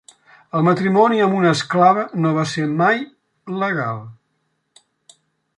El matrimoni amb una esclava no va ser mai legal.